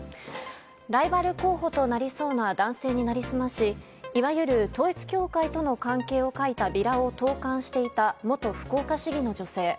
ライバル候補となりそうな男性に成り済ましいわゆる統一教会との関係を書いたビラを投函していた元福岡市議の女性。